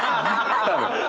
多分。